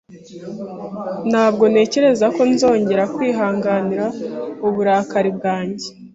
Ntabwo ntekereza ko nzongera kwihanganira uburakari bwanjye.